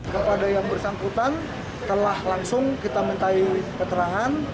kepada yang bersangkutan telah langsung kita mintai keterangan